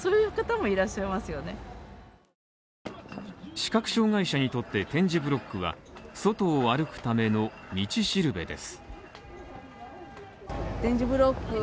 視覚障害者にとって点字ブロックは外を歩くための道しるべです。